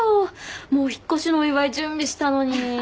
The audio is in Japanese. もう引っ越しのお祝い準備したのに。